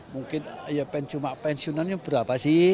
mungkin ya pencuma pensiunannya berapa sih